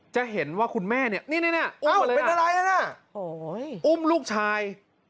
จะเห็นว่าคุณแม่เนี่ยนี่อุ้มลูกชาย